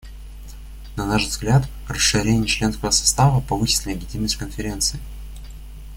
На наш взгляд, расширение членского состава повысит легитимность Конференции.